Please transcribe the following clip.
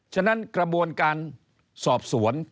ฉะนั้นกระบวนการสอบสวน